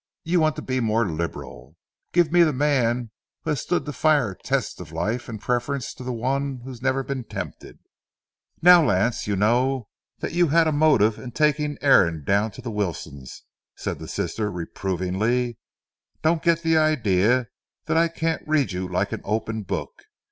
You want to be more liberal. Give me the man who has stood the fire tests of life in preference to one who has never been tempted." "Now, Lance, you know you had a motive in taking Aaron down to Wilson's," said the sister, reprovingly. "Don't get the idea that I can't read you like an open book.